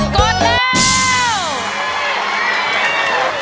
กดแล้ว